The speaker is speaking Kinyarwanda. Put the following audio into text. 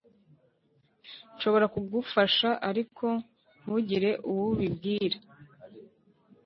nshobora kugufasha ariko ntugire uwo ubibwira?